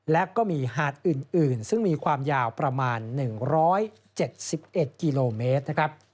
และก็มีหาดอื่นซึ่งมีความยาวประมาณ๑๗๑กิโลเมตรนะครับ